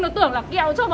nó tưởng là kẹo cho vào mồm